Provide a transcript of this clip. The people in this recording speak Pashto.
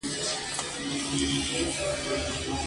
دا کار د وظایفو له لایحې سره کیږي.